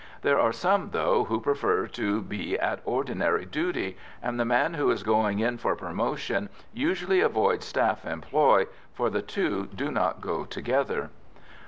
There are some, though, who prefer to be at ordinary duty, and the man who is going in for promotion usually avoids staff employ, for the two do not go together.